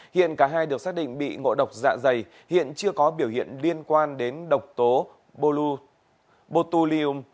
hiện cả hai được xác định bị ngộ độc dạ dày hiện chưa có biểu hiện liên quan đến độc tố botulium